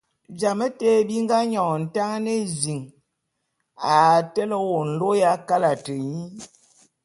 Jame té bi nga nyòn Ntangan ézin a tele wô nlô ya kalate nyô.